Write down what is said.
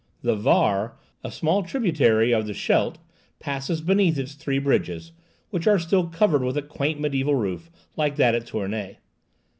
The Vaar, a small tributary of the Scheldt, passes beneath its three bridges, which are still covered with a quaint mediæval roof, like that at Tournay.